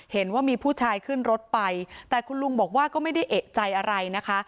เห็นว่ามีผู้ชายขึ้นรถไปแต่คุณลุงบอกว่าก็ไม่ได้เอกใจอะไรนะคะ